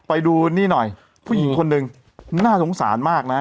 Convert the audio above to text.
ไปดูพี่หนึ่งขนเนื่องน่าสงสารมากนะ